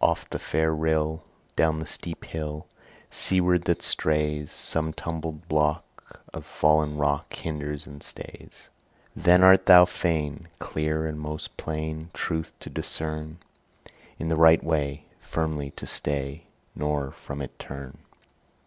Oft the fair rill, Down the steep hill Seaward that strays, Some tumbled block Of fallen rock Hinders and stays. Then art thou fain Clear and most plain Truth to discern, In the right way Firmly to stay, Nor from it turn?